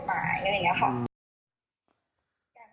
แบบนี้ค่ะ